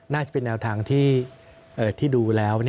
น่าจะเป็นแนวทางที่ดูแล้ว